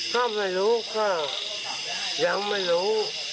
ก็ไม่รู้ก็ยังไม่รู้